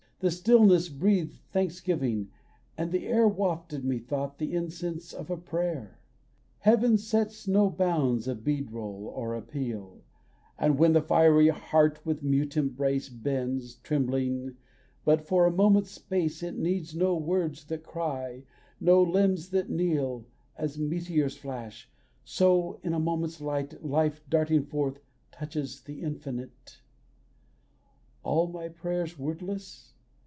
The stillness breathed thanksgiving, and the air Wafted, methought, the incense of a prayer. Heaven sets no bounds of bead roll or appeal; And when the fiery heart with mute embrace Bends, tremblingly, but for a moment's space It needs no words that cry, no limbs that kneel. As meteors flash, so, in a moment's light, Life, darting forth, touches the Infinite. All my prayers wordless?